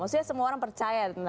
maksudnya semua orang percaya